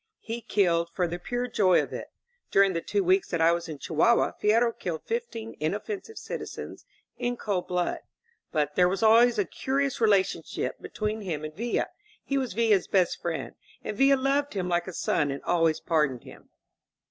He killed for the pure 148 INSURGENT MEXICO joy of it. During two weeks that I was in Chihuahua, Fierro killed fifteen inoffensive citizens in cold blood. But there was always a curious relationship between him and Villa. He was Villa's best friend; and Villa loved him like a son and always pardoned him.